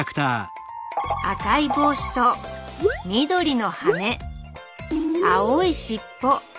赤い帽子と緑の羽青い尻尾。